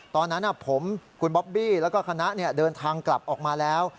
ตอนนั้นผมคุณบ๊อบบี้แล้วก็คณะเดินทางกลับออกมาแล้ว